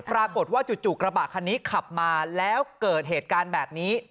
ปรากฏว่าจู่กระบะคันนี้ขับมาแล้วเกิดเหตุการณ์แบบนี้